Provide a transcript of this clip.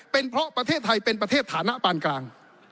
เป็นเพราะประเทศไทยเป็นประเทศฐานะปานกลาง